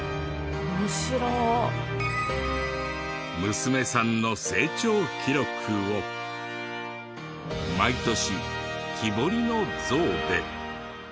娘さんの成長記録を毎年木彫りの像で。